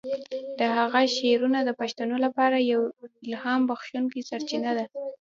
د هغه شعرونه د پښتنو لپاره یوه الهام بخښونکی سرچینه ده.